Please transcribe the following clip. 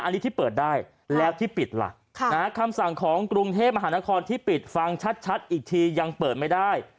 อันนี้ที่เปิดได้แล้วที่ปิดล่ะคำสั่งของกรุงเทพมหานครที่ปิดฟังชัดอีกทียังเปิดไม่ได้